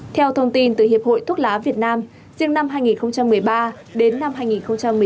theo thông tin từ hiệp hội thuốc lá việt nam riêng năm hai nghìn một mươi ba đến năm hai nghìn một mươi chín